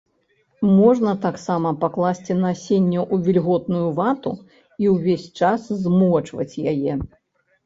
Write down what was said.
Можна таксама пакласці насенне ў вільготную вату і ўвесь час змочваць яе.